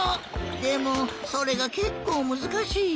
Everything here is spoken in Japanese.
でもそれがけっこうむずかしい。